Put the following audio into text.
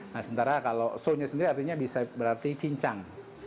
nah sementara kalau so nya sendiri artinya bisa berarti cincang